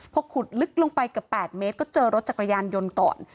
พอขุดลึกลงไปเกือบ๘เมตรก็เจอรถจักรยานยนต์ก่อน